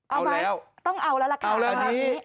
เอาแล้วต้องเอาแล้วล่ะค่ะเอาแล้วอันนี้